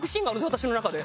私の中で。